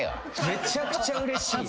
めちゃくちゃうれしい。